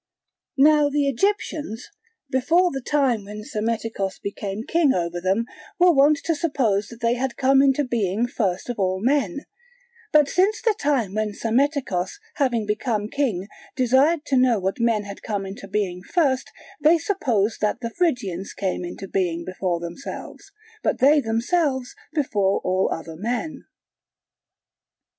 Now the Egyptians, before the time when Psammetichos became king over them, were wont to suppose that they had come into being first of all men; but since the time when Psammetichos having become king desired to know what men had come into being first, they suppose that the Phrygians came into being before themselves, but they themselves before all other men.